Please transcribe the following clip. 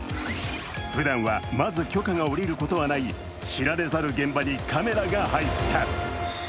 ふだんはまず許可が下りることはない知られざる現場にカメラが入った。